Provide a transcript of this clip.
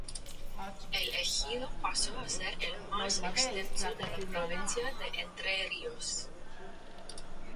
El ejido pasó a ser el más extenso de la provincia de Entre Ríos.